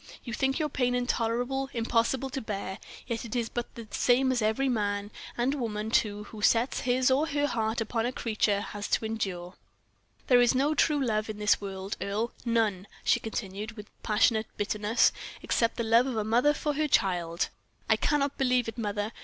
You think your pain intolerable, impossible to bear; yet it is but the same as every man, and woman, too, who sets his or her heart upon a creature has to endure. There is no true love in this world, Earle none," she continued, with passionate bitterness, "except the love of a mother for her child." "I cannot believe it, mother.